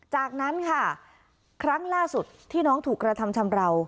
จากนั้นค่ะครั้งล่าสุดที่น้องถูกกระทำชำราว